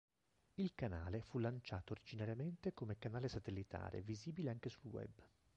Il canale fu lanciato originariamente come canale satellitare, visibile anche sul Web.